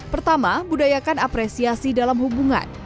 pertama budayakan apresiasi dalam hubungan